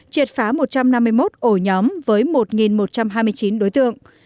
triệt phá một trăm năm mươi một ổ nhóm với một một trăm hai mươi chín đối tượng